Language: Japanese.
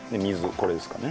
これですかね。